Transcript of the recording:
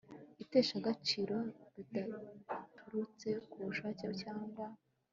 Iteshagaciro ridaturutse ku bushake cyangwa